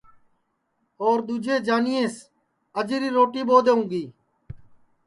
اور دؔوجے جانیئس اجری روٹی ٻو دؔونگی